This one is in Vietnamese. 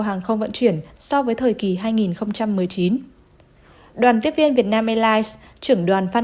hàng không vận chuyển so với thời kỳ hai nghìn một mươi chín đoàn tiếp viên việt nam airlines trưởng đoàn phan